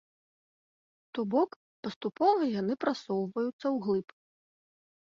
То бок, паступова яны прасоўваюцца ўглыб.